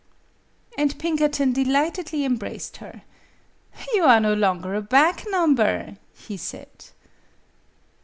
And Pinkerton delightedly embraced her. "You are no longer a back number, " hesaid.